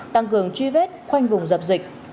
tăng cường truy vết khoanh vùng dập dịch